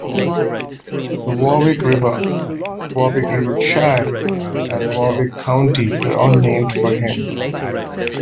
The Warwick River, Warwick River Shire, and Warwick County were all named for him.